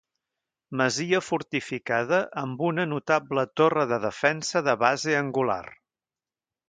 Masia fortificada amb una notable torre de defensa de base angular.